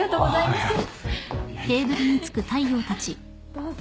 どうぞ。